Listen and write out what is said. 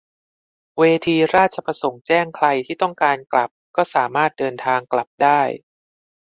เวทีราชประสงค์แจ้งใครที่ต้องการกลับก็สามารถเดินทางกลับได้